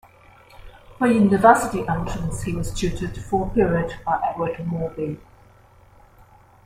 For university entrance he was tutored for a period by Edward Maltby.